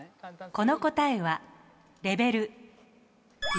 この答えはレベル１。